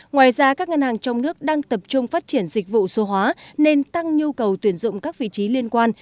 ngoài ra các ngân hàng trong nước đang tập trung phát triển dịch vụ số hóa nên tăng nhu cầu tuyển dụng các vị trí liên quan